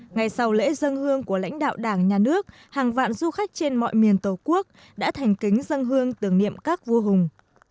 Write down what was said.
ngày sau lễ dân hương của lãnh đạo đảng nhà nước hàng vạn du khách trên mọi miền tổ quốc đã thành kính dân hương tưởng niệm các vua hùng